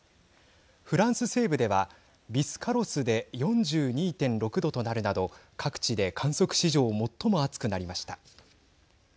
フランス西部ではビスカロスで４２．６度となるなど各地で観測史上最も暑くなりました。